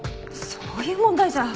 そういう問題じゃ。